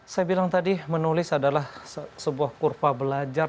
saya bilang tadi menulis adalah sebuah kurva belajar